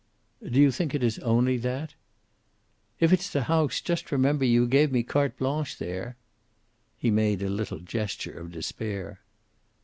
"Do you think it is only that?" "If it's the house, just remember you gave me carte blanche there." He made a little gesture of despair.